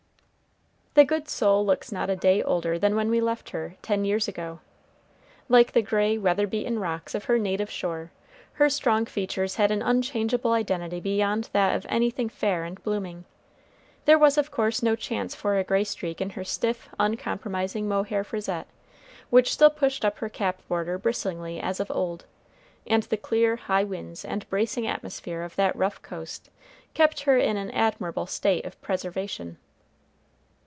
The good soul looks not a day older than when we left her, ten years ago. Like the gray, weather beaten rocks of her native shore, her strong features had an unchangeable identity beyond that of anything fair and blooming. There was of course no chance for a gray streak in her stiff, uncompromising mohair frisette, which still pushed up her cap border bristlingly as of old, and the clear, high winds and bracing atmosphere of that rough coast kept her in an admirable state of preservation.